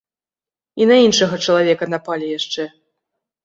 І на іншага чалавека напалі яшчэ.